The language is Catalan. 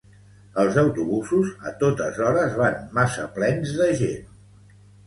Els autobusos a totes hores van massa plens de gent